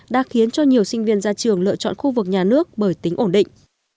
đã khiến cho nhiều sinh viên ra trường lựa chọn khu vực nhà nước bởi tính ổn định